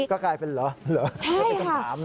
ก็กลายเป็นเหรอใช่ค่ะ